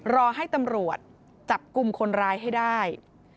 รอให้ตำรวจจับกลุ่มคนร้ายให้ได้